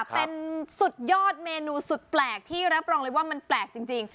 เป็นสุดยอดเมนูสุดแปลกที่รับรองเลยว่ามันแปลกจริง